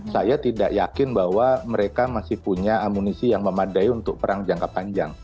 saya tidak yakin bahwa mereka masih punya amunisi yang memadai untuk perang jangka panjang